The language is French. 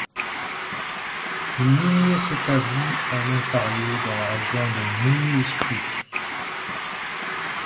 Une lignée s'établit en Ontario dans la région de Moose Creek.